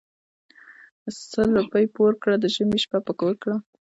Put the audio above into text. سل روپی پور کړه د ژمي شپه په کور کړه .